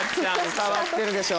伝わってるでしょ。